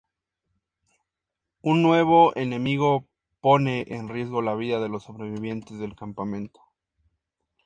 Un nuevo enemigo pone en riesgo la vida de los sobrevivientes del campamento.